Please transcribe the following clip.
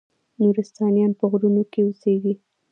نورستانیان په غرونو کې اوسیږي؟